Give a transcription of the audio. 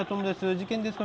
事件ですか？